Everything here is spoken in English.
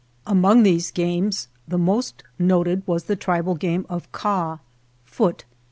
Among these games the most noted was the tribal game of Kah (foot)